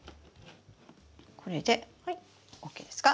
これでＯＫですか？